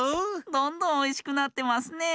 どんどんおいしくなってますね。